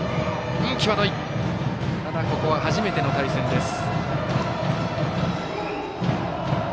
ただ、ここは初めての対戦です。